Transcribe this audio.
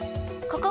ここ？